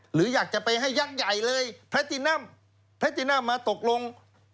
หรืออยากจะไปให้ยักษ์ใหญ่เลยแพทตินัมแพทตินัมมาตกลง